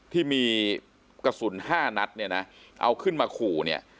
ที่มีกระสุนห้านัดเนี่ยนะเอาขึ้นมาขู่เนี่ย